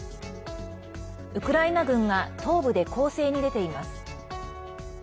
ウクライナ軍が東部で攻勢に出ています。